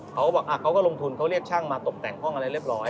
เขาก็บอกเขาก็ลงทุนเขาเรียกช่างมาตกแต่งห้องอะไรเรียบร้อย